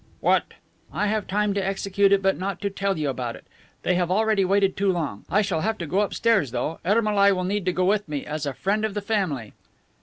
"What?" "I have time to execute it, but not to tell you about it. They have already waited too long. I shall have to go upstairs, though. Ermolai will need to go with me, as with a friend of the family."